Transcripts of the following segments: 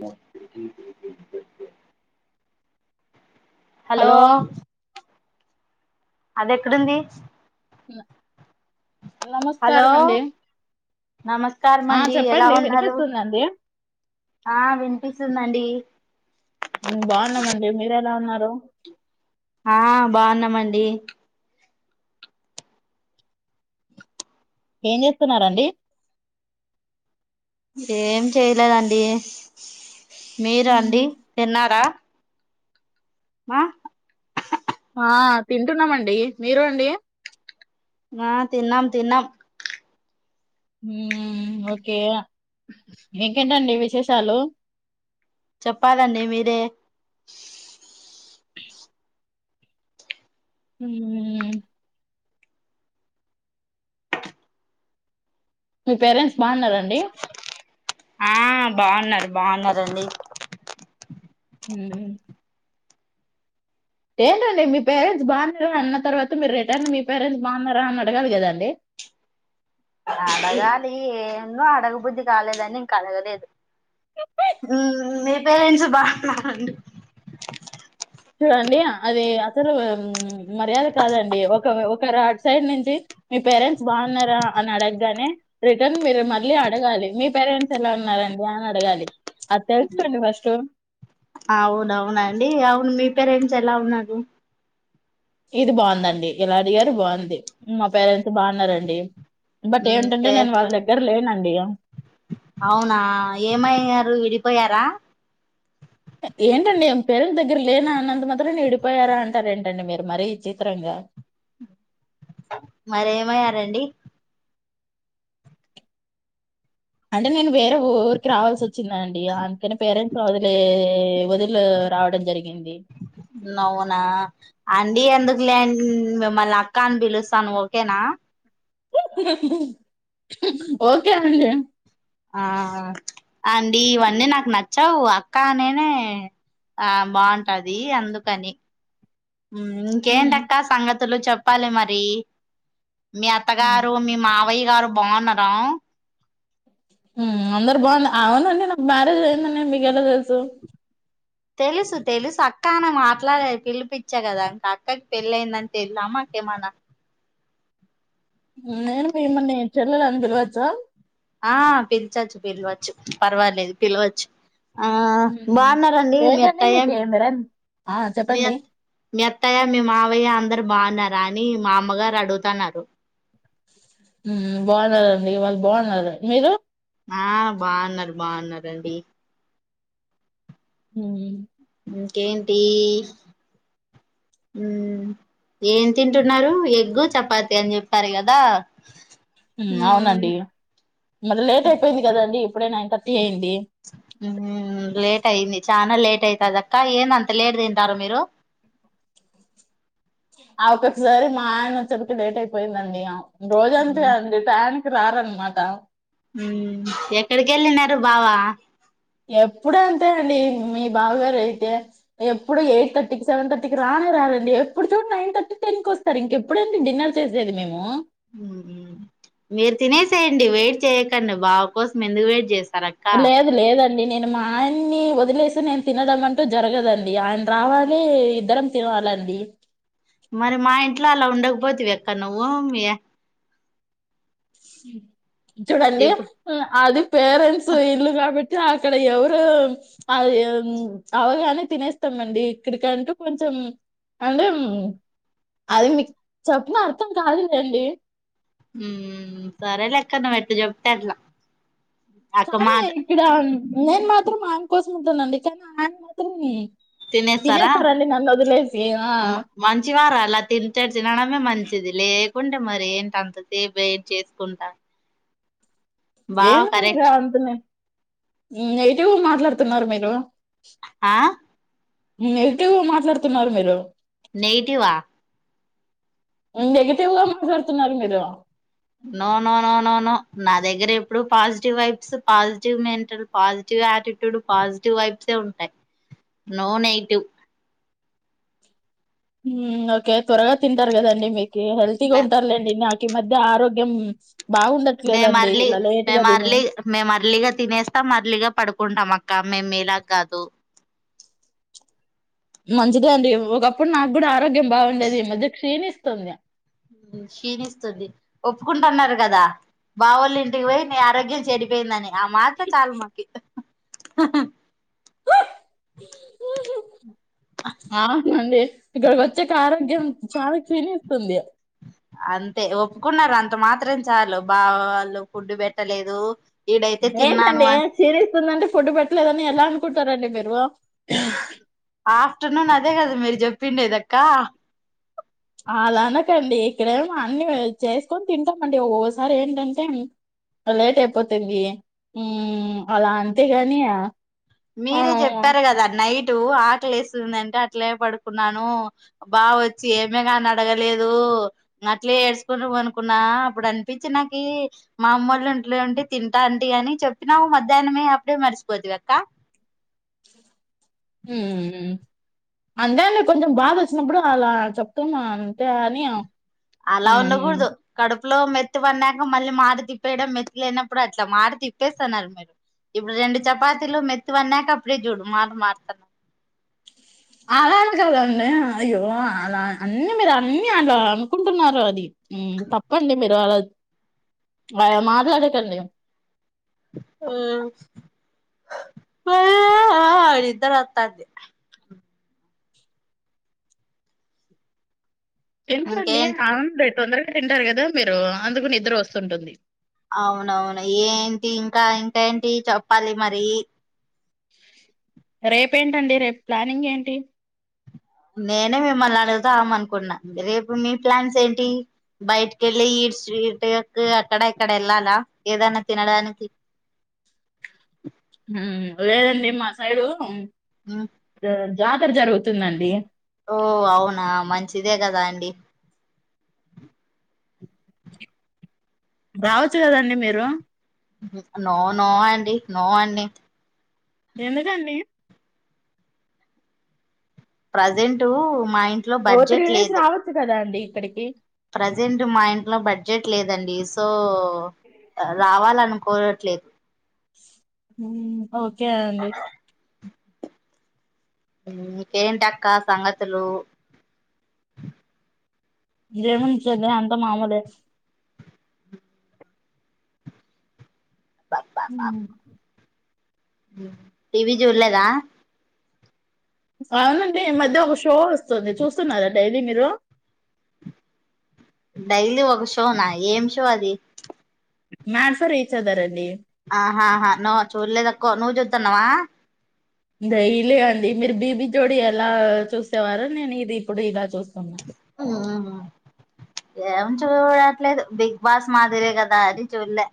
మ దీ దే హలో అది ఎక్కడుంది ఇలా హలో నమస్కారం ఆ అండి ఎలా చెప్పండి ఉన్నారు వినిపిస్తుందండి ఆ వినిపిస్తుందండి ఉమ్ బాగున్నామండి మీర ఎలా ఉన్నారు హలో ఆ బాగున్నామండి ఏం చేస్తున్నరండి ఏం చేయలేదండి మీరు అండి తిన్నారా మా ఆ తింటున్నామండి మీరు అండి ఆ తిన్నాం తిన్నాం ఊమ్ ఓకే ఇంకేంటండి విశేషాలు చెప్పాలండి మీరే ఊమ్ మీ పేరెంట్స్ బాగున్నరండి ఆ బాగున్నారు బాగున్నారండి ఊ ఏంటండి మీ పేరెంట్స్ బాగున్నారా అన్న తర్వాత మీరు రిటర్న్ మీ పేరెంట్స్ బాగున్నారా అని అడగాలి కదాండి అడగాలి ఏందో అడగుబుద్ధి కాలేదని ఇం కడగలేదు ఊ మీ పేరెంట్స్ బాగున్నారండి చూడండి అది అసలు మర్యాద కాదండి ఒక ఒకరాసైడ్ నుంచి మీ పేరెంట్స్ బాగున్నారా అ అని అడగగానే రిటర్న్ మీరు మళ్ళీ అడగాలి మీ పేరెం ఎలా ఉన్నారండి అని అడగాలి అది తెలుసుకోండి ఫస్ట్ అవునవునండి అవును మీ పేరెంట్స్ ఎలా ఉన్నారు ఇది బాగుందండి ఇలా అడిగారు బాగుంది మా పేరెంట్స్ బాగున్నారండి బట్ ఉ ఏంటంటే కే నేను వాళ్ళ దగ్గర లేనండి అవునా ఏమయ్యారు విడిపోయారా ఏంటండి ఏం పేరంట్ దగ్గర లేనా అన్నంత మాత్రం ఇడిపోయారా అంటార ఏంటండి మీరు మరి ఇచిత్రంగా మరేమయ్యారండి అంటే నేను వేరే ఊరికి రావాల్సి వచ్చిందా అండి అందుకనే పేరెంట్స్ వదిలీ వదులు రావడం జరిగింది అవునా అండి ఎందుకు లేం మిమ్మల్ని అక్క అని పిలుస్తాను ఓకేనా ఓకే అండీ ఆ అండి ఇవన్నీ నాకు నచ్చవు అక్క అనేనే ఆ బాగుంటది అందుకని ఊ ఇంకేంటిక్క సంగ లు చెప్పాలి మరి మీ అత్తగారు మీ మావయ్ గారు బాగున్నారా ఊమ్ అందరు బాగుం అవునండి నాకు మ్యారేజ్ అయిందం మీకెలా తెలుసు తెలుసు తెలుసు అక్క అన మాట్లాడేది పిలిపిచ్చా గదా ఇంకా అక్కకి పెళ్ళయిందని తెలిదా అమాకేమన్నా నేను మిమ్మల్ని చెల్లాల అని పిలవచ్చా ఆ పిలిచచ్చు పిలవచ్చు పర్వాలేదు పిలవచ్చు ఆ బాగున్నండి మీ ఏంటండి అత్తయ్య మీకు మీరేం ఆ చెప్పండి మీత్త మీ అత్తయ్య మీ మావయ్య అందరు బాగున్నారా అని మా అమ్మగారు అడుగుతున్నారు బాగున్నండి వాళ్ళు బాగున్నారు మీరు ఆ బాగున్నారు బాగున్నండి హ ఇంకేంటి ఏం తింటున్నారు ఎగ్ చపాథీ అని సర కదా మ్మ్ అవునండి మరి లేట్ అయిపోయింది కదండి ఇప్పుడేనా ఇంత అ ఏంటిడి లేట్ అయింది చనా లేట్ అయిత అదక్క ఏన్ అంత లేట్ తింటారు మీరు ఆ ఒక్కొక్కసారి మా ఆయన వచ్చప్పకి లేట్ అయిపోయిందండి రోజంత మ్మ్ అడి టం ఆరంగమాటా ఎక్కడికి వెళ్ళిన బావా ఎప్పుడ అంతే అండి మీ బాబగారు అయితే ఎప్పుడు ఎయిట్ థర్టీకి సెవెన్ థర్టీకి రానే రాలండి ఎప్పుడు చూడు నైన్ థర్టీ టెన్ కి వస్తారు ఇంకెప్పుడడి డిన్నర్ చేసేది మేము మీరు తినేసేయండి వెయిట్ చేయకండి బాగా కోసం ఎందుకు వెయిట్ చేస్త లేదు లేదండి నేను మా ఆయన్ని వదిలేసి నేను తినడం అంటూ జరగదండి ఆయన రావాలి ఇద్దరం తినాలండి మరి మా ఇంట్లో అలా ఉండకపోతువి ఎక్కడ నువ్వు మీ అ చూడండి ఇప్పుడు అది పేరెంట్స్ ఇల్లు కాబట్టి అక్కడ ఎవరు అది అవగానే తినేస్తామండి ఇక్కడికంటూ కొంచెం అంటే అది మీకు చెప్పిన అర్థం కాదుదండి సరేలేక్కన వెట్ చెప్తర్లా చాాల ఇక్కడ నేను మాత్రం ఆయమె కోసం ఉంటానండి కానీ ఆయన మాత్రం తినేస్తారా తినేస్తారండి నన్ను వదిలేసి ఆ మంచి వార అలా తితారు తినడమే మంచి ఇది లేకుండా మరి ఏంటి అంతసేపు ఏయిట్ చేసుకుంటా బావ ఏంటన్నా మీరు కరెక్ట్ అతునే ఎటివ మాట్లాడుతున్నారు మీరు ఆ ఎగిటివ్ మాట్లాడుతున్నారు మీరు నదివా నెగిటివ్గా మాట్లాడుతున్నారు మీరు no no no no no నా దగ్గర ఎప్పుడు positive vibes positive mental positive attitude positive వైబ్సే ఉంటాయి నో నెగిటివ్ ఓకే త్వరగా తింటారు కదండి మీకు హల్తిగా మే ఉంటారులేండిక మ అది ఆరోగ్యం మే బాగుండట్లేదండి మరలి ఇలా లేట్ మేము గా తిని మరలి మేము ఎర్లీగా తినేస్తాం మరళగా పడుకుంటాం అక్క అక్క మేము మిలా కాదు మంచిదే అండి ఒకప్పుడు నాకు కూడా ఆరోగ్యం బాగుండేది ఈ మధ్య క్షీణిస్తుం తుంది క్షీణిస్తుంది ఒప్పుకుంటున్నారు కదా బావోళ్ళు ఇంటికి పోయి నీ ఆరోగ్యం చెడిపోయిందని ఆ మాత్ర చాల మాకి ఇ హహ అవునండి ఇక్కడ వచ్చేక ఆరోగ్యం చాలా క్లీీనిస్తుంది అంతే ఒప్పుకున్నారు అంత మాత్రం చాలు బా వాళ్ళు ఫుడ్డు పెట్టలేదు ఈడైతే ఏంటి తిన్నాను అండి అని. చరి వస్తుందంటే ఫుడ్ పెట్టలేదని ఎలా అనుకుంటారంండి మీరు ఆఫ్టర్నూన్ అదే కదా మీరు చెప్పిండేది కదక్క అలా అనకండి ఇక్కడేమో అన్ని చేసుకొని తింటామండి ఓసారి ఏంటంటే లేట్ అయిపోతుంది ఉ అలా అంతేగాని మీరే చెప్పారు కదా నైట్ ఇటు ఆకలి వస్తుంది అంటే అట్లే పడుకున్నాను బాగా వచ్చి ఏమే కాని అడగలేదు అట్లే ఏడ్చుకున్నాం ఆకలస్తుంది అంటే అట్లనే పోడుకున్నాను బావ వచ్చి ఆమె అని అడగ లేదు అప్పుడు అనిపించనికి మా అమ్మ వాళ్ళ ఇంట్లో ఉంటే అనుకున్నా అప్పుడు అనిపించి నాకి మా అమ్మళ్లు ఇంట్లో ఉంటే తింటా అంటే గాని చెప్పినావు మధ్యాహ్నమే అప్పుడే మర్చిపోద్ కద కా అంతే అండి కొంచెం బాధ వచ్చినప్పుడు అలా చెప్తాం అంతే అని అలా మ్మ్ ఉండకూడదు కడుపు ఇప్పు లో మెత్తి వన్నాక మళ్ళీ మాట తిప్పేయడం మెత్తి లేనప్పుడు అట్లా మాట తిప్పేస్తున్నారు మీరు ఇప్పుడు రెండు చపాతీలు మెత్తి వన్నాక ఫడ చూడు మాట మారుతున్నారు అలా అని కదండి అయ్యో అలా అన్న మీరు అన్ని మీరు అలా అనుకుంటున్నారు అది తప్పండి మీరు అలా ఆ మాట్లాడకండి ఆ అద్దరే అ నిద్దరొట్టండి ఎంత ఇంకేంటి అంద బట్ అంద్ర తింటారు కదా మీరు అందుకుని నిద్దరు వస్తుంటుంది అవునవును ఏంటి ఇంకేంటి చెప్పాలి మరి రేపేంటండి రేపు ప్లానింగ్ ఏంటి నేనే మిమ్మల్ని అడుగుతాం అనుకుంటున్నాను రేపు మీ ప్లాన్స్ ఏంటి బయటికి వెళ్ళి ఈ స్ట్రీట్ట్ అక్కడ ఎక్కడ వెళ్ళాలా ఏదన్నా తినడానికి లేదండి మా సైడు ఉమ్, ఆ జాతర జరుగుతుందండి ఓ అవునా మంచిదే కదా అండి రావచ్చు కదండి మీరు నో నో అండి నో అండి ఎందుకండి ప్రెసెంట్ మా ఇంట్లో ఓ త్రీ బడ్జెట్ డేస్ లేదు రావచ్చు కదా అండి ఇక్కడికి ప్రజెంట్ మా ఇంట్లో బడ్జెట్ జెట్ లేదండి సో వో రావాలన్ కోరట్లేదు మ్మ్ అవుదు క్యాండీ మీకేంటక్క సంగతులు ఏముంది చెల్లి అంత మామూలే మ్మ్ మ్మ్ టీవీ జూల్లేద అవునండి ఈ మధ్య ఒక షో వస్తుంది చూస్తున్నారా డైలీ మీరు డైలీ ఒక షోనా ఏం షో అది మ్యాసర ఈచ్ అదర్ అండి ఆహాహా నో చూల్లేదక్కో నువ్వు చూత్తన్నావా దైలీ అండి మీరు బీబీ జోడి ఎలా చూసేవారో నేను ఇది ఇప్పుడు ఇలా చూస్ ఏం చూడట్లేదు బిగ్ బాస్ మాదిరే కదా అది చూల్లే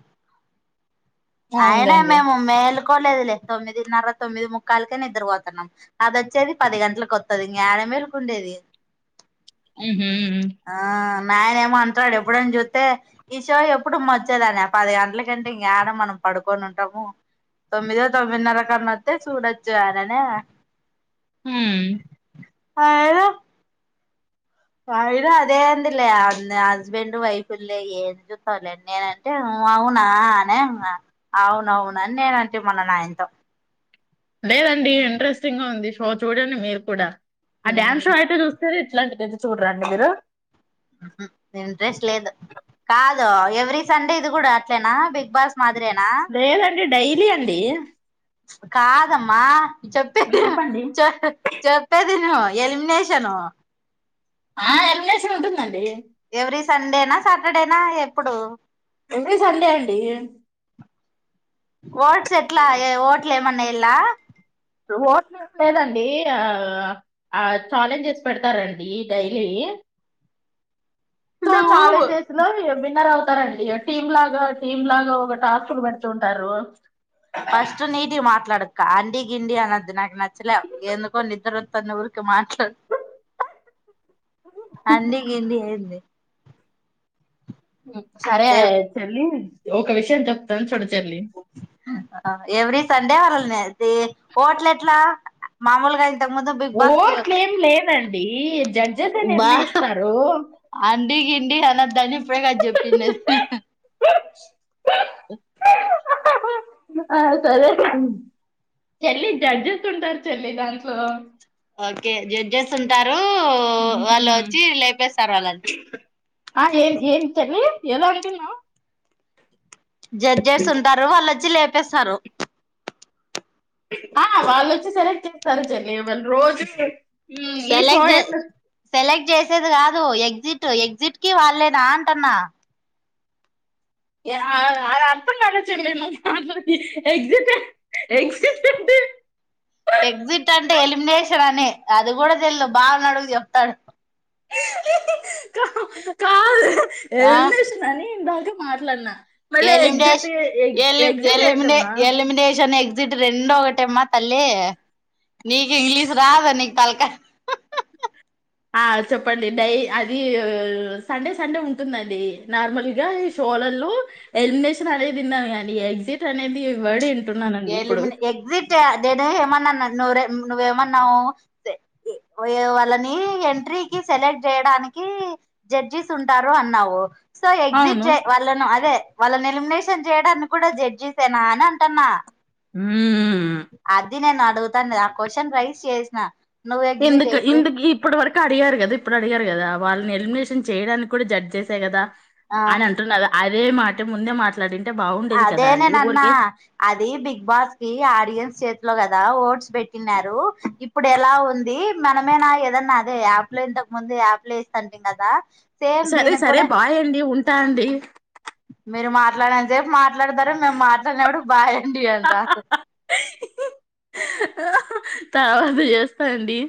ఆయనా అవునులేండి మే మమ్మ మేలుక్ అకోట్లేదులే తొమ్మిదిన్నర తొమ్మిది ముక్కాలకనా నిద్ద్ర పోతున్నాం అది వచ్చేది పది గంటలకుకి వత్తది ఇంగ యాడ మేల్కుండేది మ్మ్ హు మా ఆయనే ఏమో అంటాడు ఎప్పుడని చూత్తే ఈ షో ఎప్పుడు అమ్మ వచ్చేదని పది గంటల కంటే ఇంకాడ మనం పడుకొని ఉంటాము తొమ్మిదో తొమ్మిదిన్నర కరన వత్తే చూడొచ్చు ఆననా మ్మ్ ఆ ఏద అయినా అదేంది లే హస్బెండ్ వైఫ్ లే ఏం చూస్తాలేండి నేనంటే అవునా అన ఇంగ అవునవునని నేనంటే మల్ల నాయనతో లేదండి ఇంట్రెస్టింగ్ గా ఉంది షో చూడండి మీరు కూడా ఆ డామ్ షో చూస్ సిరి ఇట్లాంటిదిది చూడరా అండి మీరు ఇంట్రెస్ట్ లేదు కాదు ఎవ్రీ సండే ఇది కూడా అట్లేనా బిగ్ బాస్ మాదిరేనా లేదండి డైలీ అండి కాదమ్మా చెప్పే ద చెప్పండి. చ చెప్పే దిన వ ఎలిమినేషను ఆ ఎలిమినేషన్ ఉంటుందండి ఎవ్రీ సండేనా సాటర్డేనా ఎప్పుడు ఎండీ సండే అండి ఓట్స్ ఎట్లా ఓట్లు ఏమన్నా ఎత్ లా ఓట్లు లేదండి ఆ ఛాలెంజెస్ పెడతారండి డైలీ సో నువ్వు చాలెంజెస్ లో విన్నర్ అవు స్తారండి టీం లాగా టీం లాగా ఒక టాస్క్ లు పెడుతుంటారు ఫస్ట్ నీటిగ మాట్లాడక్క అండీ గిండీ అనద్దు నాకు నచ్చలా ఎందుకో నిద్రొత్త ని ఊరికే మాట్లాడు అండి గిండి ఏంది సరే అ ఎవ్ యే చెల్లి ఒక విషయం చెప్తాను చూడ [unintelligible] ఎవ్రీ సండే [unintelligible] ఓట్ల్ ఎట్లా మామూలుగాయి ఓట్లేం లేదండి జడ్జసే బా నిర్ణయిస్తారు అండి అనద్దాని ఇప్పుడే గద చెప్పిండే [unintelligible] హ సరే చెల్లి జడ్జెస్ ఉంటారు చెల్లి దాంట్లో ఓకే జడ్జస్ ఉంటార్ మ్ హూ లేపేస్తారు వాళ్ళని ఆ ఏం ఏం చెల్లి ఏదో ఓకటిన్నా జడ్జెస్ ఉంటారు వాళ్ళొచ్చి లే పేసారు ఆ వాళ్ళొచ్చి సెలెక్ట్ చేస్తారు చెల్లి వాళ్ రోజు ఉమ్, ఈ షో సెలెక్ట్ ఎట్లా సెలెక్ట్ చేసేది కా లు ఎగ్జిట్ ఎగ్జిట్ కి వాళ్ళేనా అంటున్నా ఆ అదర్థం కాలే చెల్లి నువ్ మాట్లాడే [unintelligible] ఎక్జిట్ ఎగ్సిట్ ఏంటి నేషనని అది కూడా తెల్దు బావ నడుగు చెప్తాడు కా కాదు ఆ ఎలిమినేషన్ అని దా మట్లాడ్నా ఎలిమినేష్ ఎలి ఎలిమినే ఏంటమ్మా ఎలిమినేషన్ ఎ గ్సిట్ రెండూ ఒకటేమ్మా తల్లి నీకు ఇంగ్లీష్ రాదు నీ తలకా ఆ చెప్పండి డై అది సండే సండే ఉంటుందండి నార్మల్గా ఈ షోలల్లో ఎలిమినేషన్ అనేదిన్నను కానీ ఎగ్జిట్ అనేది వర్డ్ [unintelligible] ఇప్పుడు ఎలిమినే ఎక్జిట్ అదేదే ఏమన్నన్ నువ్వే నువ్వేమన్నావు వాళ్ళని ఎంట్రీకి సెలెక్ట్ చేయడానికి జడ్జిస్ ఉంటారు అన్నావు సో ఎగ్జిట్ అవును చే వాళ్ళను అదే వాళ్ళన్ ఎలిమినేషన్ చేయడానికి గుడా జడ్జిసేనా అని అంటున్నా మ్మ్. అద్ ఇది నేను అడుగుతాను ఆ క్వశ్చన్ రైస్ చేసిన నువ్వు ఎగ్జిట్ ఎందుకు ఎగ్జిట్ ఇందుకు ఇప్పటి వరకు అడిగారు కదా ఇప్పుడు అడిగారు కదా వాళ్ళని ఎలిమినేషన్ చేయడానికి కూడా జడ్జ్ చేసాయి కదా ఆ అని అంటున్నదా అదే మాట ముందే మాట్లాడి అదే నేన్ అన్నా అది బిగ్ బాస్కి ఆడియన్స్ చే త్లో కదా ఓట్స్ పెట్టినారు. ఇప్పుడెలా ఉంది మనమే నా ఏదన్న అదే ఆప్లైన్ తకు ముంది యాప్ ప్లేసంటీం కదా సేమ్ సరే దీనికి సరే కూడా బాయండి ఉంటా అండి. [inaudible] రేపు మాట్లాడతారు మేం మాట్లాడినప్పుడు బాయ్ అండి అంటరు. తరువాత చేస్తా అండి